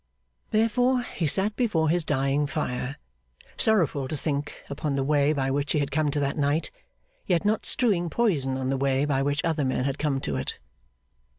Therefore, he sat before his dying fire, sorrowful to think upon the way by which he had come to that night, yet not strewing poison on the way by which other men had come to it.